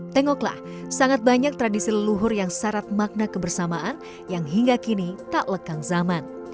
tengoklah sangat banyak tradisi leluhur yang syarat makna kebersamaan yang hingga kini tak lekang zaman